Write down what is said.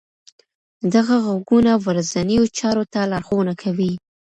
دغه غږونه ورځنیو چارو ته لارښوونه کوي.